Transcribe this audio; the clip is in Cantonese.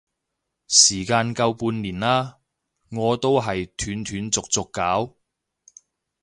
時間夠半年啦，我都係斷斷續續搞